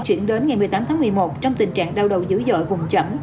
chuyển đến ngày một mươi tám tháng một mươi một trong tình trạng đau đầu dữ dội vùng chậm